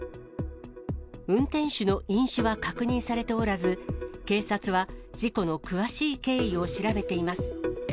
運転手の飲酒は確認されておらず、警察は事故の詳しい経緯を調べています。